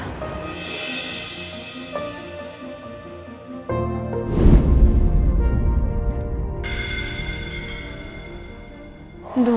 pertama kali di panggilan